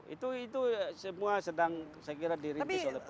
itu itu semua sedang saya kira dirimpis oleh pemerintah